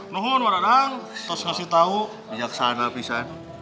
nihun waradang terus kasih tau biasa bisa